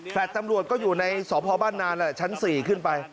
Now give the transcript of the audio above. แฟลต์ตำรวจก็อยู่ในสอบพอบ้านนานแล้วชั้น๔ขึ้นไป